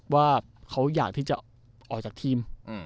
ว่าเขาอยากที่จะออกจากทีม